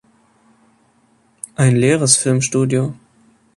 Ein leeres Filmstudio.